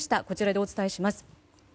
こちらでお伝えします。